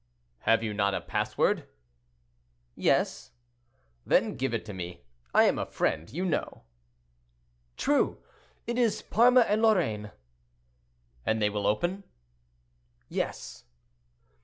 "Have you not a password?" "Yes." "Then give it to me. I am a friend, you know." "True. It is 'Parma and Lorraine!'" "And they will open?" "Yes."